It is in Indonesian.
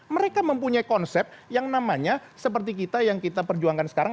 mereka mempunyai konsep yang namanya seperti kita yang kita perjuangkan sekarang